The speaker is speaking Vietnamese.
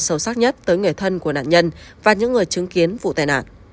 sâu sắc nhất tới người thân của nạn nhân và những người chứng kiến vụ tài nạn